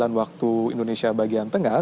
pukul sembilan waktu indonesia bagian tengah